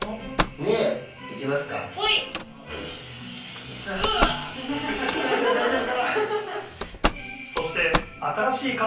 ねえ、いきますか。